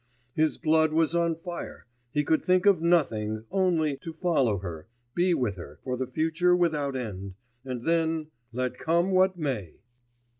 His blood was on fire, he could think of nothing, only to follow her, be with her, for the future without end, and then let come what may!